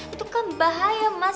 itu kan bahaya mas